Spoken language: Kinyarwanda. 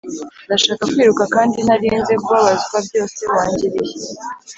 ndashaka kwiruka kandi ntarinze kubabazwa byose wangiriye.